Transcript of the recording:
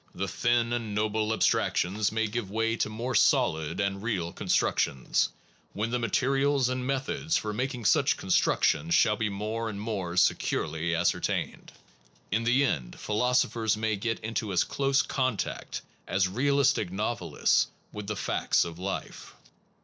The thin and noble abstractions may give way to 26 PHILOSOPHY AND ITS CRITICS more solid and real constructions, when the materials and methods for making such con structions shall be more and more securely ascertained. In the end philosophers may get into as close contact as realistic novelists with the facts of life.